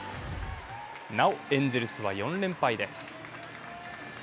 なおエンゼルスは４連敗です。